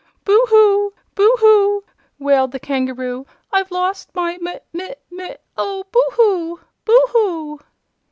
"Boo hoo! Boo hoo!" wailed the Kangaroo; "I've lost my mi mi mi Oh, boo hoo! Boo hoo!"